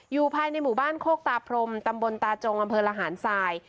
อยู่ภายในหมู่บ้านโคกตาพรมตำบลตาจงอำเภอระหารทราย